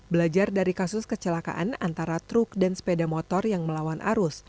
belajar dari kasus kecelakaan antara truk dan sepeda motor yang melawan arus